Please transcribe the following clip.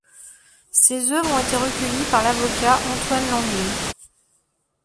Ses œuvres ont été recueillies par l'avocat Antoine Lenglet.